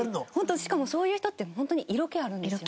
しかもそういう人って本当に色気あるんですよね。